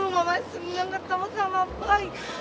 mama seneng ketemu sama boy